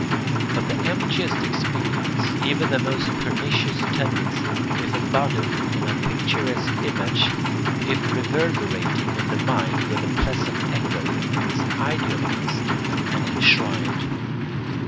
But the emptiest experience, even the most pernicious tendency, if embodied in a picturesque image, if reverberating in the mind with a pleasant echo, is idolised and enshrined.